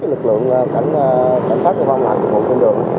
lực lượng cảnh sát giao thông